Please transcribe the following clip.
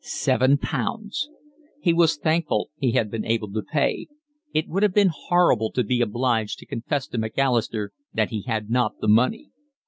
Seven pounds! He was thankful he had been able to pay. It would have been horrible to be obliged to confess to Macalister that he had not the money.